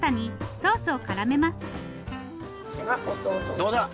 どうだ！